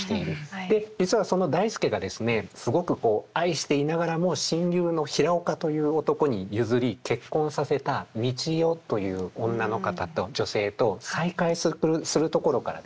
で実はその代助がですねすごく愛していながらも親友の平岡という男に譲り結婚させた三千代という女の方と女性と再会するところからですね